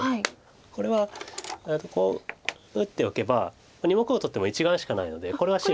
これはこう打っておけば２目を取っても１眼しかないのでこれは白が死にです。